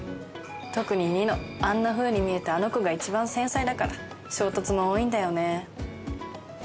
特に二乃あんな風に見えてあの子が一番繊細だから衝突も多いんだよね